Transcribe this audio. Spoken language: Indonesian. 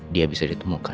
dia bisa ditemukan